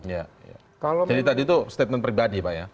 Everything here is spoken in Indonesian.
tadi itu statement pribadi pak ya